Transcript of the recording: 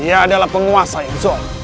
dia adalah penguasa yang zon